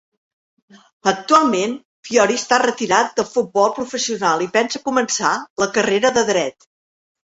Actualment, Fiori està retirat del futbol professional i pensa començar la carrera de Dret.